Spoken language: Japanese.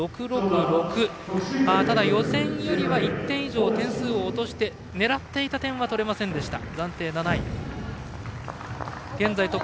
ただ予選よりは１点以上、点数を落として狙っていた点は取れませんでした。